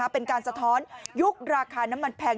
สะท้อนยุคราคาน้ำมันแพง